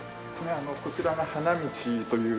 こちらが花道という。